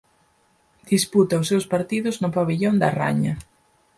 Disputa os seus partidos no Pavillón de A Raña.